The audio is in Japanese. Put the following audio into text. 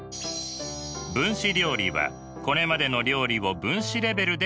分子料理はこれまでの料理を分子レベルで解析。